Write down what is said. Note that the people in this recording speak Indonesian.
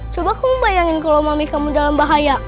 coba kamu bayangin kalau mami kamu dalam bahaya